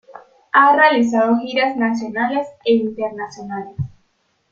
Ha realizado giras nacionales e internacionales.